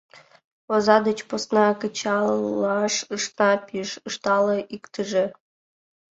— Оза деч посна кычалаш ышна пиж, — ыштале иктыже.